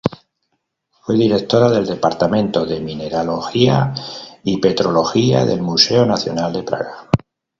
Fue directora del departamento de Mineralogía y Petrología del Museo Nacional de Praga.